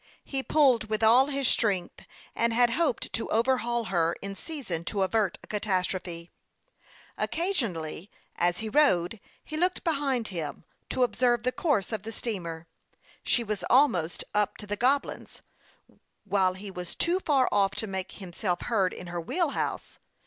He pulled with all his strength, and had hoped to overhaul her in season to avert a catastrophe. Occasionally, as he rowed, he looked behind him to observe the course of the steamer. She was al most up to the Goblins, while he was too far off to make himself heard in her wheel house.